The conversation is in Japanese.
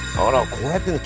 こうやってるの。